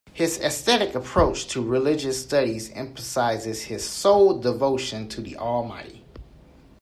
His ascetic approach to religious studies emphasizes his sole devotion to the almighty.